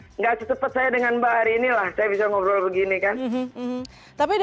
tidak secepat saya dengan mbak hari ini lah saya bisa ngobrol begini kan